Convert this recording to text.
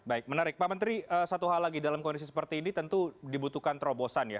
baik menarik pak menteri satu hal lagi dalam kondisi seperti ini tentu dibutuhkan terobosan ya